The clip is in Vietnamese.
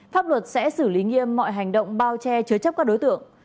pháp luật sẽ xử lý nghiêm mọi hành động bao che chứa chấp các đối tượng